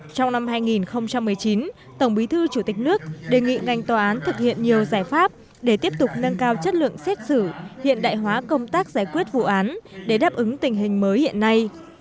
trong năm hai nghìn một mươi chín tổng bí thư chủ tịch nước đề nghị ngành tòa án thực hiện nhiều giải pháp để tiếp tục nâng cao chất lượng xét xử hiện đại hóa công tác giải quyết vụ án để đáp ứng tình hình mới hiện nay